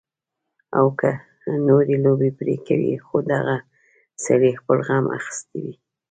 او کۀ نورې لوبې پرې کوي خو دغه سړے خپل غم اخستے وي